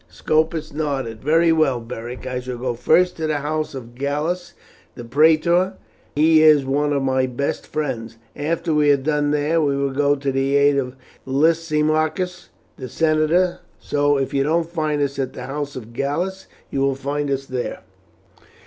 Scopus nodded. "Very well, Beric. I shall go first to the house of Gallus the praetor, he is one of my best friends. After we are done there we will go to the aid of Lysimachus the senator; so, if you don't find us at the house of Gallus, you will find us there."